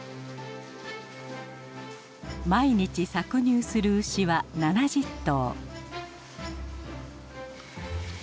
毎日搾乳する牛は７０頭。